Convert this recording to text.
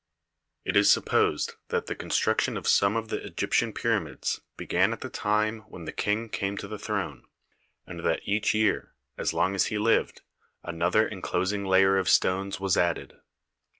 It is sup posed that the construction of some of the Egyp tian pyramids began at the time when the king came to the throne, and that each year, as long as he lived, another enclosing layer of stones was added.